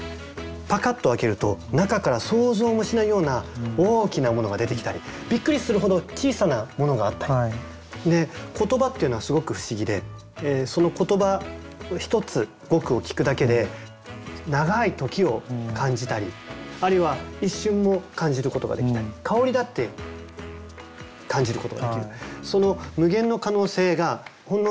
パカッと開けると中から想像もしないような大きなものが出てきたりびっくりするほど小さなものがあったりで言葉っていうのはすごく不思議でその言葉一つ語句を聞くだけで長い時を感じたりあるいは一瞬を感じることができたり香りだって感じることができる。